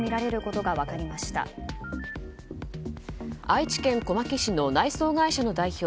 愛知県小牧市の内装会社の代表